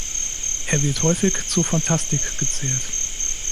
Er wird häufig zur Fantastik gezählt.